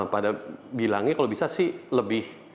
pada bilangnya kalau bisa sih lebih